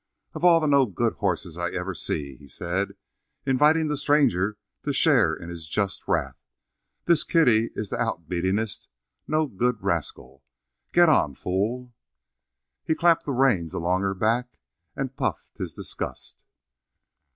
"Of all the no good hosses I ever see," he said, inviting the stranger to share in his just wrath, "this Kitty is the outbeatingest, no good rascal. Git on, fool." He clapped the reins along her back, and puffed his disgust.